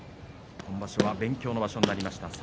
今場所は勉強の場所となりました。